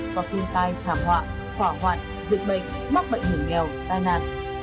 do thiên tai thảm họa hỏa hoạn dịch bệnh mắc bệnh hiểm nghèo tai nạn